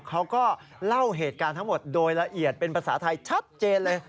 เขาก็เล่าเหตุการณ์ทั้งหมดโดยละเอียดเป็นภาษาไทยชัดเจนเลย